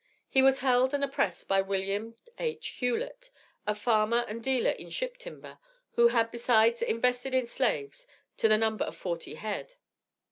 He was held and oppressed by William H. Hughlett, a farmer and dealer in ship timber, who had besides invested in slaves to the number of forty head.